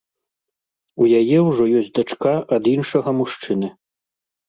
У яе ўжо ёсць дачка ад іншага мужчыны.